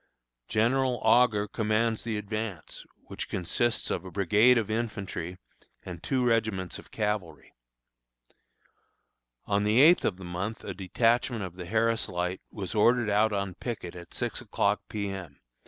General Augur commands the advance, which consists of a brigade of infantry and two regiments of cavalry. On the eighth of the month a detachment of the Harris Light was ordered out on picket at six o'clock P. M.